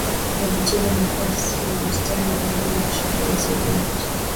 Alicheza nafasi ya mstari wa mbele kushoto Inside left